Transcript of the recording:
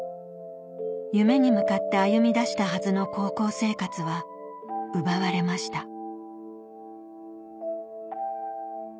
夢に向かって歩み出したはずの高校生活は奪われました